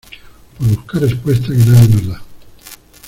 por buscar respuestas que nadie nos da.